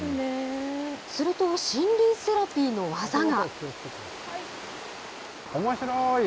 すると、森林セラピーの技が。